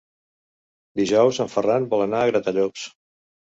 Dijous en Ferran vol anar a Gratallops.